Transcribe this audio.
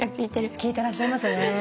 聞いてらっしゃいますね。